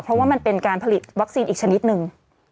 เพราะว่ามันเป็นการผลิตวัคซีนอีกชนิดหนึ่ง